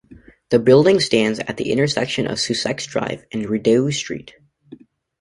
The building stands at the intersection of Sussex Drive and Rideau Street.